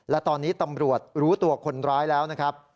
และตอนนี้ตำรวจรู้ตัวคนร้ายแล้วนะครับ